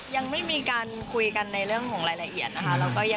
ยังไม่มีการคุยกันในเรื่องของรายละเอียดนะคะ